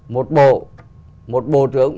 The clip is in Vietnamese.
một bộ một bộ trưởng